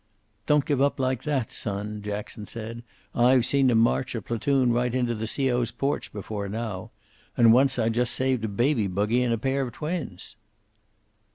"Don't give up like that, son," Jackson said. "I've seen 'em march a platoon right into the C.O.'s porch before now. And once I just saved a baby buggy and a pair of twins."